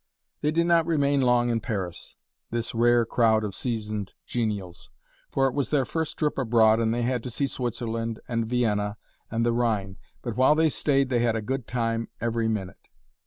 They did not remain long in Paris, this rare crowd of seasoned genials, for it was their first trip abroad and they had to see Switzerland and Vienna, and the Rhine; but while they stayed they had a good time Every Minute.